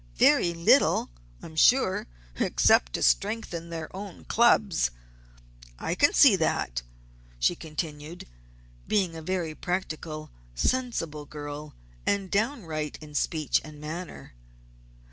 Very little, I am sure, except to strengthen their own clubs. I can see that," she continued, being a very practical, sensible girl, and downright in speech and manner.